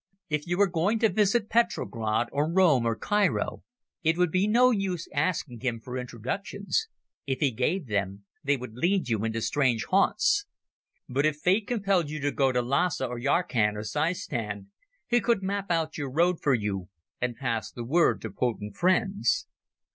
If you were going to visit Petrograd or Rome or Cairo it would be no use asking him for introductions; if he gave them, they would lead you into strange haunts. But if Fate compelled you to go to Llasa or Yarkand or Seistan he could map out your road for you and pass the word to potent friends.